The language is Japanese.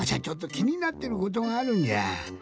ちょっときになってることがあるんじゃ。